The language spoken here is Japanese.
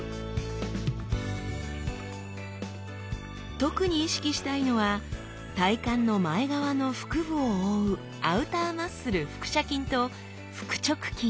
特に意識したいのは体幹の前側の腹部を覆うアウターマッスル腹斜筋と腹直筋。